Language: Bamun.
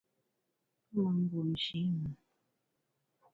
Pe me mbuomshe i mùn.